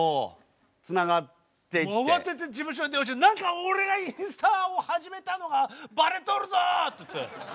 慌てて事務所に電話して何か俺がインスタを始めたのがバレとるぞって。